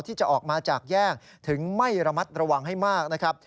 ที่จะออกมาจากแยกถึงไม่ระมัดระวังให้มากนะครับ